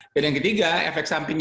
dan yang ketiga efek sampingnya